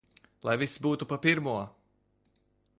Lai viss būtu pa pirmo!